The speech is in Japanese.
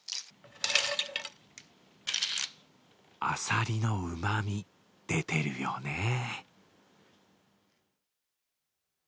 あさりのうまみ、出てるよね。